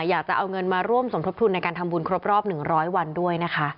อยากจะเอาเงินมาร่วมสมทบทุนในการทำบุญครบรอบ๑๐๐วันด้วยนะคะ